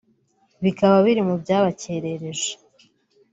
bikaba biri mu byabakerereje